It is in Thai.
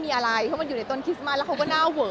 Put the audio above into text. เพราะมันอยู่ในต้นคลิปมาแล้วเขาก็น่าเว๋อ